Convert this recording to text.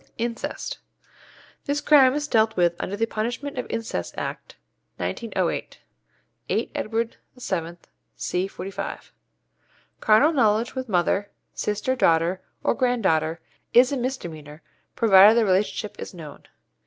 =Incest.= This crime is dealt with under the Punishment of Incest Act, 1908 (8 Edward VII., c. 45). Carnal knowledge with mother, sister, daughter, or grand daughter, is a misdemeanour, provided the relationship is known.